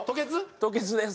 吐血です。